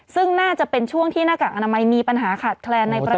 ซึ่งน่าจะเป็นช่วงที่หน้ากากอนามัยมีปัญหาขาดแคลนในประเทศ